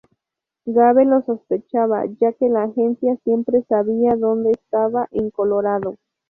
Gabe lo sospechaba ya que la Agencia siempre sabía dónde estaba en Colorado.